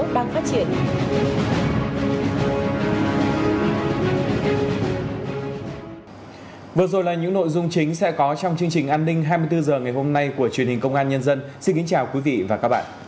vừa rồi là những nội dung chính sẽ có trong chương trình an ninh hai mươi bốn h ngày hôm nay của truyền hình công an nhân dân xin kính chào quý vị và các bạn